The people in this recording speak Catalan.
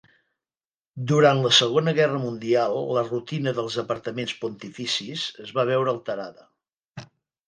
Durant la Segona Guerra Mundial la rutina dels apartaments pontificis es va veure alterada.